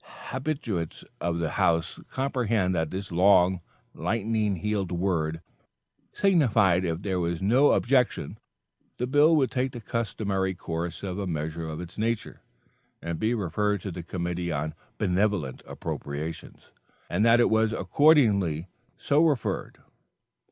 Habitues of the House comprehended that this long, lightning heeled word signified that if there was no objection, the bill would take the customary course of a measure of its nature, and be referred to the Committee on Benevolent Appropriations, and that it was accordingly so referred.